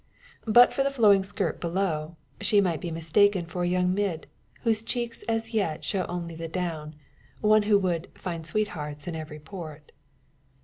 But for the flowing skirt below, she might be mistaken for a young mid, whose cheeks as yet show only the down one who would "find sweethearts in every port."